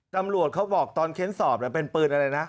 ตำรวจเขาบอกตอนเค้นสอบเป็นปืนอะไรนะ